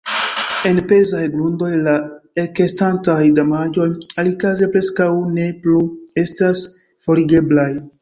En pezaj grundoj la ekestantaj damaĝoj alikaze preskaŭ ne plu estas forigeblaj.